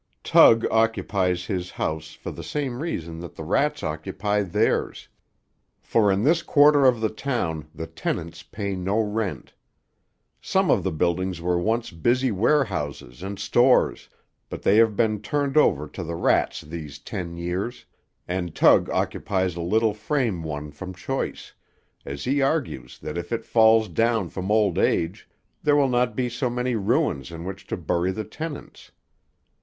Tug occupies his house for the same reason that the rats occupy theirs, for in this quarter of the town the tenants pay no rent. Some of the buildings were once busy warehouses and stores, but they have been turned over to the rats these ten years, and Tug occupies a little frame one from choice, as he argues that if it falls down from old age, there will not be so many ruins in which to bury the tenants.